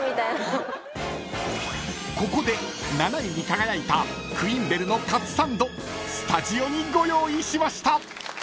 ［ここで７位に輝いたクインベルのかつサンドスタジオにご用意しました］